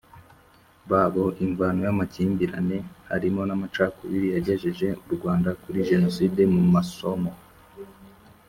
babo imvano y amakimbirane harimo n amacakubiri yagejeje u Rwanda kuri Jenoside Mu masomo